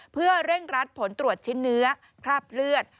เร่งรัดผลตรวจชิ้นเนื้อภาพเลือด